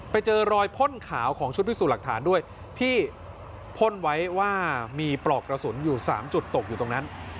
ไปเจอรอยพ่นขาวของชุดพิสูจน์หลักฐานด้วยที่พ่นไว้ว่ามีปลอกกระสุนอยู่๓จุดตกอยู่ตรงนั้น